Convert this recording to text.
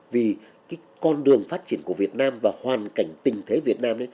vì cái con đường phát triển của việt nam và hoàn cảnh tình thế việt nam